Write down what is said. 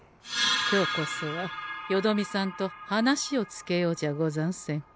今日こそはよどみさんと話をつけようじゃござんせんか。